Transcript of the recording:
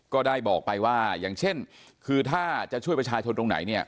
ก็ได้บอกไปว่าอย่างเช่นคือถ้าจะช่วยประชาชนตรงไหนเนี่ย